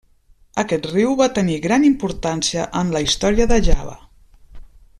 Aquest riu va tenir gran importància en la història de Java.